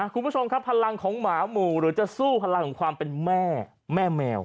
คุณผู้ชมครับพลังของหมาหมู่หรือจะสู้พลังของความเป็นแม่แม่แมว